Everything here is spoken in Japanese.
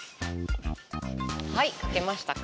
はい書けましたか？